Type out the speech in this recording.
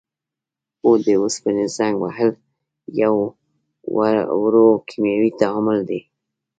هو د اوسپنې زنګ وهل یو ورو کیمیاوي تعامل دی.